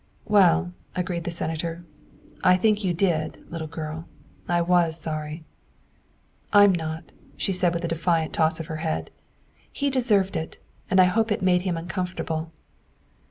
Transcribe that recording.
" Well," agreed the Senator, " I think you did, little girl. I was sorry." "I'm not," she said with a defiant toss of her head, " he deserved it, and I hope it made him uncom fortable."